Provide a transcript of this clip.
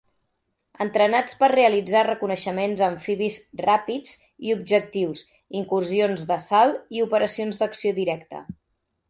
Entrenats per realitzar reconeixements amfibis ràpids i objectius, incursions d'assalt i operacions d'acció directa.